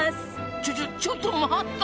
ちょちょちょっと待った！